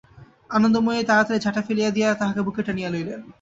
আনন্দময়ী তাড়াতাড়ি ঝাঁটা ফেলিয়া দিয়া তাহাকে বুকে টানিয়া লইলেন।